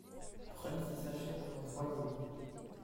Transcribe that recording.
Prenez ces cachets pendant trois jours.